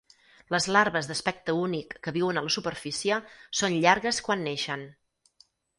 Les larves d'aspecte únic que viuen a la superfície són llargues quan neixen.